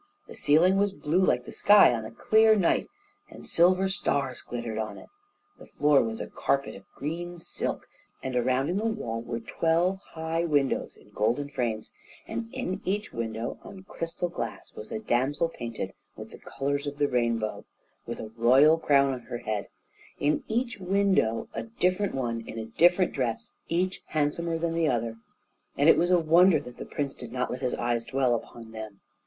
The ceiling was blue like the sky on a clear night, and silver stars glittered on it, the floor was a carpet of green silk, and around in the wall were twelve high windows in golden frames, and in each window on crystal glass was a damsel painted with the colours of the rainbow, with a royal crown on her head, in each window a different one in a different dress, each handsomer than the other, and it was a wonder that the prince did not let his eyes dwell upon them.